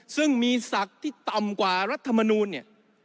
ซึ่งมีศักดิ์ที่ต่ำกว่ารัฐมนูลเนี่ย